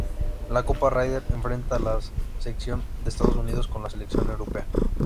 La Copa Ryder enfrenta a la selección de Estados Unidos con la selección europea.